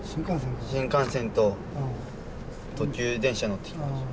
新幹線と特急電車乗ってきました。